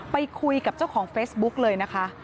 ไปคุยกับเจ้าของเฟซบุ๊กเลยนะคะ